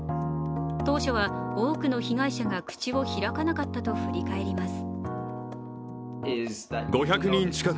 当初は多くの被害者が口を開かなかったと振り返ります。